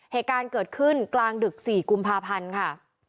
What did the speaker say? เหตุการณ์เกิดขึ้นกลางดึก๔กุมภาพันธ์ค่ะ